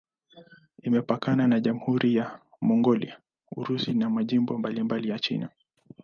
Imepakana na Jamhuri ya Mongolia, Urusi na majimbo mbalimbali ya China.